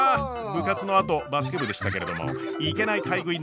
部活のあとバスケ部でしたけれどもいけない買い食い